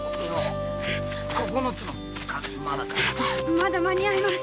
まだ間に合います。